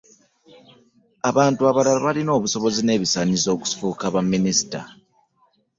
Abantu abalala balina obusobozi n'ebisaanyizo okufuuka ba minisita.